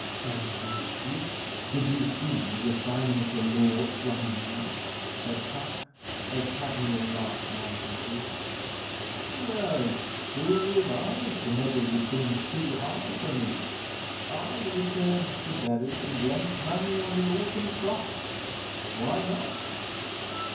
'And you? Did you see the signing of the Law at Runnymede?' said Puck, as Kadmiel laughed noiselessly. 'Nay. Who am I to meddle with things too high for me? I returned to Bury, and lent money on the autumn crops. Why not?'